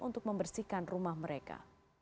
untuk membersihkan rumah mereka